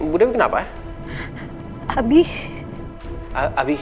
bu dewi kenapa ya